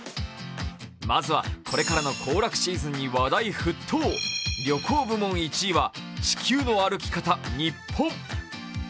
まずはこれからの行楽シーズンに話題沸騰、旅行部門１位は「地球の歩き方日本」